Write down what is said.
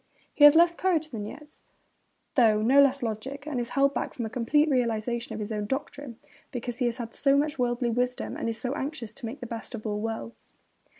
He has less courage than Nietzsche, though no less logic, and is held back from a complete realisation of his own doctrine because he has so much worldly wisdom and is so anxious to make the best of all worlds.